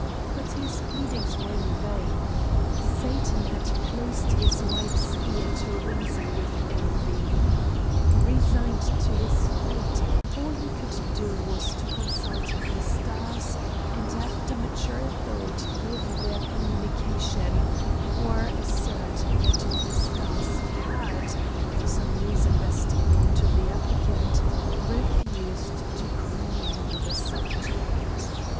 But his pleadings were in vain. Satan had closed his wife's ear to reason with envy. Resigned to his fate, all he could do was to consult the stars, and after mature thought give their communication, or assert that the stars had, for some reason best known to the applicant, refused to commune on the subject.